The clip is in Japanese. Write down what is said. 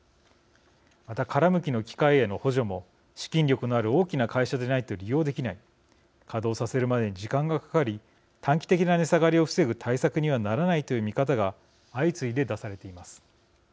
また、殻むきの機械への補助も資金力のある大きな会社でないと利用できない稼働させるまでに時間がかかり短期的な値下がりを防ぐ対策にはならないという見方が相次いで出されています。